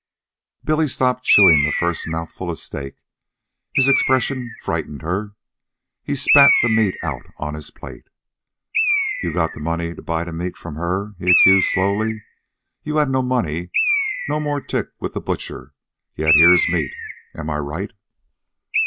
Billy stopped chewing the first mouthful of steak. His expression frightened her. He spat the meat out on his plate. "You got the money to buy the meat from her," he accused slowly. "You had no money, no more tick with the butcher, yet here's meat. Am I right?"